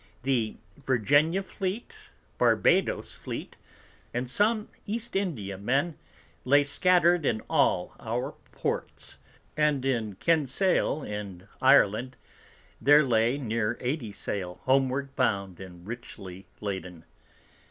The Virginia Fleet, Barbadoes Fleet, and some East India Men, lay scatter'd in all our Ports, and in Kinsale in Ireland there lay near 80 Sail, homeward bound and richly laden.